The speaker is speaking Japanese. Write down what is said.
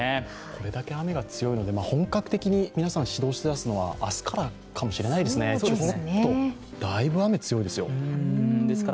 これだけ雨が強いので、本格的に皆さん、始動しだすのは明日からかもしれないですね、ちょっとだいぶ雨、強いですよ。